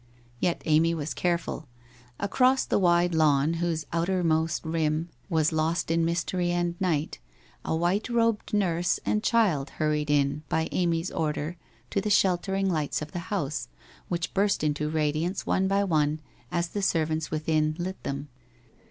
Yet Amy was careful. Across the wide lawn, whose outermost rim was lost in mystery and night, a white robed nurse and child hur ried in, by Amy's order, to the sheltering lights of the house, which burst into radiance one by one as the serv ants within lit them.